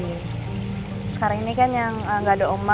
terus sekarang ini kan yang gak ada oma